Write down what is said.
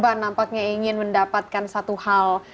bapak nampaknya ingin mendapatkan satu hal